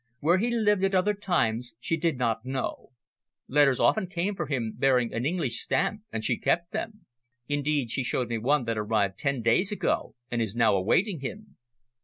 Where he lived at other times she did not know. Letters often came for him bearing an English stamp, and she kept them. Indeed, she showed me one that arrived ten days ago and is now awaiting him."